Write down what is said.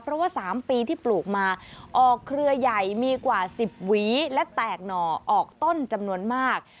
เพราะว่า๓ปีที่ปลูกมาออกเครือใหญ่มีกว่า๑๐หวีและแตกหน่อออกต้นจำนวนมาก